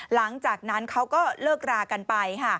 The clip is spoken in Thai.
หลังจากนั้นเขาก็เลิกรากันไป